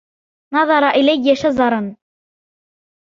نظر إليّ شزرًا.